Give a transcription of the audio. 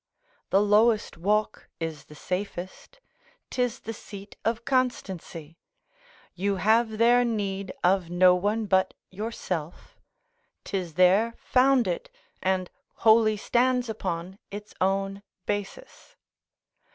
The lowest walk is the safest; 'tis the seat of constancy; you have there need of no one but yourself; 'tis there founded and wholly stands upon its own basis.